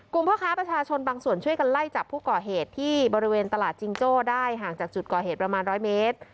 พ่อค้าประชาชนบางส่วนช่วยกันไล่จับผู้ก่อเหตุที่บริเวณตลาดจิงโจ้ได้ห่างจากจุดก่อเหตุประมาณ๑๐๐เมตร